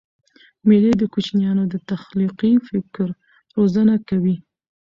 مېلې د کوچنيانو د تخلیقي فکر روزنه کوي.